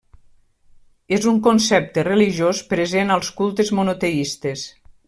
És un concepte religiós present als cultes monoteistes.